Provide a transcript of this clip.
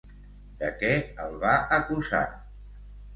De què el va acusar?